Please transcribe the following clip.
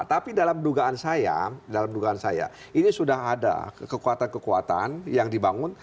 tapi dalam dugaan saya ini sudah ada kekuatan kekuatan yang dibangun